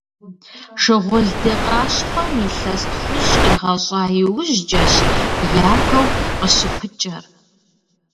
Шыгъулды къащхъуэм илъэс тхущӀ къигъэщӀа иужькӀэщ япэу къыщыпыкӀэр.